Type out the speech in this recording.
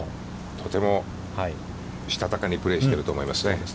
とても、したたかにプレーしていると思いますね。